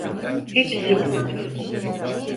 Hepsi buydu.